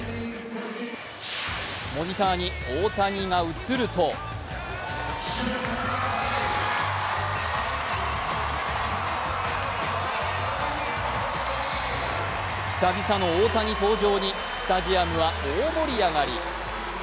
モニターに大谷が映ると久々の大谷登場にスタジアムは大盛り上がり。